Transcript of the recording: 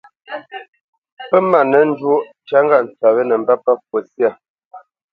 Pə má nə nzhɔ tya ŋgâʼ tsəʼ we nə́ mbə́ pə́ fwo syâ.